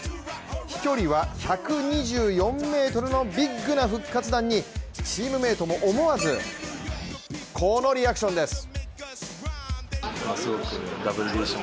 飛距離は１２４ｍのビッグな復活弾にチームメートも思わずこのリアクションです。